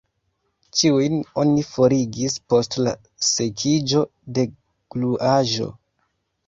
Ĉiujn oni forigis post la sekiĝo de gluaĵo.